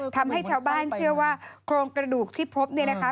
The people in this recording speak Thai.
ทำให้ชาวบ้านเชื่อว่าโครงกระดูกที่พบเนี่ยนะคะ